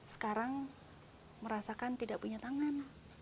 sekarang merasakan tidak punya tangan